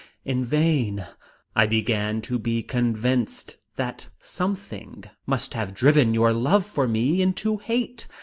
in vain. I began to be convinced that something must have driven your love for me into hate.